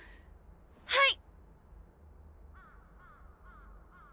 はい！